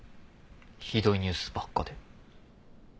ひどいニュースばっかで。